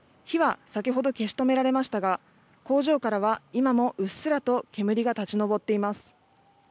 火は先ほど消し止められましたが工場からは今もうっすらと煙が立ち上っています。